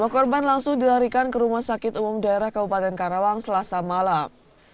lima korban langsung dilarikan kerumah sakit umum daerah kabupaten karawang selasa malam